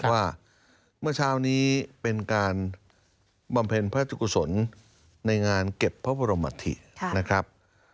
ว่าเมื่อเช้านี้เป็นการบำเพ็ญพระราชกุศลในงานเก็บพระบรมธินะครับ